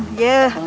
ayah daun pandan